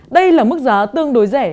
đây là mức giá tương đối rẻ